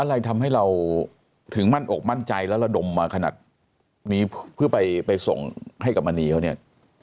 อะไรทำให้เราถึงมั่นอกมั่นใจแล้วระดมมาขนาดนี้เพื่อไปส่งให้กับมณีเขาเนี่ย